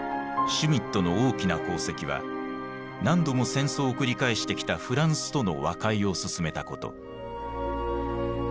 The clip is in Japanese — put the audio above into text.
シュミットの大きな功績は何度も戦争を繰り返してきたフランスとの和解を進めたこと。